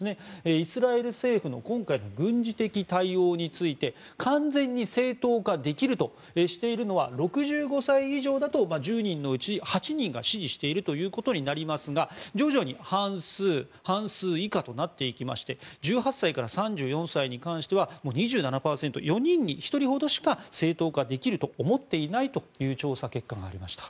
イスラエル政府の今回の軍事的対応について完全に正当化できるとしているのは６５歳以上だと１０人のうち８人が支持していることになりますが徐々に半数半数以下となっていきまして１８歳から３４歳に関しては２７％４人に１人ほどしか正当化できると思っていないという調査結果がありました。